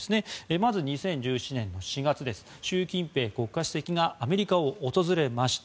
まず２０１７年４月習近平国家主席がアメリカを訪れました。